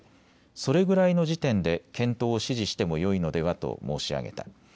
それぐらいの時点で検討を指示してもよいのではと申し上げた。